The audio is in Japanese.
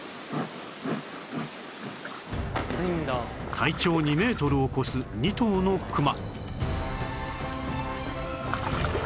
体長２メートルを超す２頭のクマ